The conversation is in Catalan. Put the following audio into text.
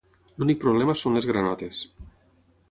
L'únic problema són les granotes.